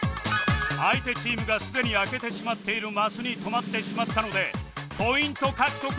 相手チームがすでに開けてしまっているマスに止まってしまったのでポイント獲得ならず